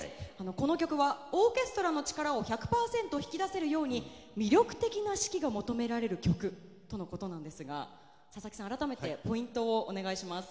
この曲はオーケストラの力を１００％引き出せるように魅力的な指揮が求められる曲とのことですが佐々木さん、改めてポイントをお願いします。